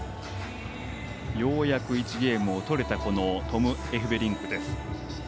ようやく１ゲームを取れたこのトム・エフベリンク選手です。